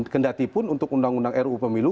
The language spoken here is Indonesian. kendatipun untuk undang undang ruu pemilu